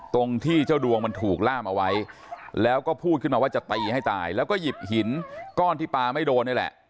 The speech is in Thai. ตรงที่เจ้าดวงมันถูกล่ามเอาไว้แล้วก็พูดขึ้นมาว่าจะตีให้ตายแล้วก็หยิบหินก้อนที่ปลาไม่โดนนี่แหละ